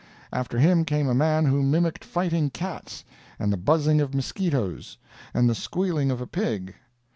After him came a man who mimicked fighting cats, and the buzzing of mosquitoes, and the squealing of a pig.